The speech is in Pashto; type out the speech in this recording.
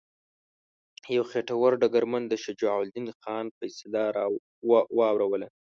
یو خیټور ډګرمن د شجاع الدین خان فیصله واوروله.